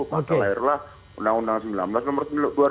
masalah lah undang undang sembilan belas nomor dua ribu sembilan belas